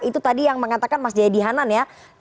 itu tadi yang mengatakan mas jaya dianan ya